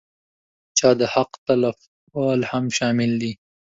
چا د حق تلفول هم شامل دي.